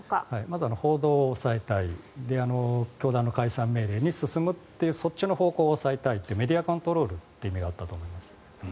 まず報道を抑えたい教団の解散命令に進むという方向を抑えたいというメディアコントロールという意味があったと思います。